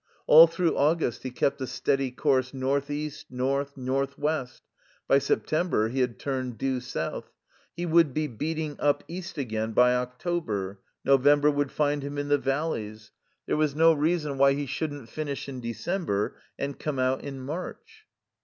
All through August he kept a steady course northeast, north, northwest; by September he had turned due south; he would be beating up east again by October; November would find him in the valleys; there was no reason why he shouldn't finish in December and come out in March.